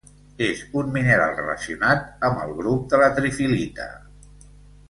És un mineral relacionat amb el grup de la trifilita.